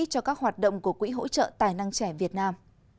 cho các hoạt động của quỹ hỗ trợ tài năng trẻ việt nam